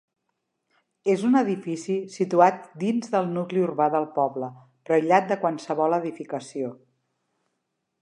És un edifici situat dins del nucli urbà del poble, però aïllat de qualsevol edificació.